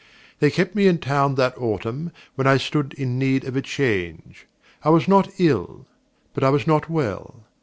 They kept me in town that autumn, when I stood in need of a change. I was not ill, but I was not well.